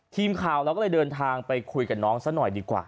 ทีมข่าวเราก็เลยเดินทางไปคุยกับน้องซะหน่อยดีกว่า